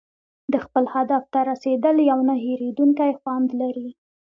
د خپل هدف ته رسېدل یو نه هېریدونکی خوند لري.